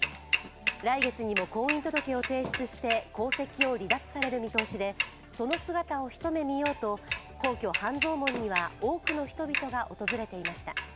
来月にも婚姻届を提出して、皇籍を離脱される見通しでその姿を一目見ようと皇居半蔵門には多くの人々が訪れていました。